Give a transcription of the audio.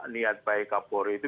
niat baik kapolri itu